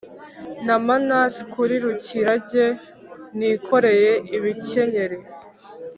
namanurse kuri rukirage nikoreye ibikenyeri